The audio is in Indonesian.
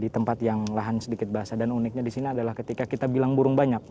di tempat yang lahan sedikit basah dan uniknya di sini adalah ketika kita bilang burung banyak